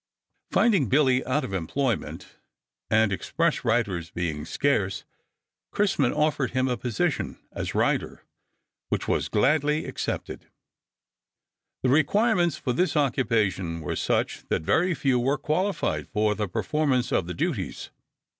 Finding Billy out of employment, and express riders being scarce, Chrisman offered him a position as rider, which was gladly accepted. The requirements for this occupation were such that very few were qualified for the performance of the duties.